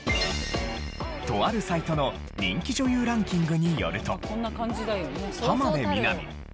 とあるサイトの人気女優ランキングによると浜辺美波新垣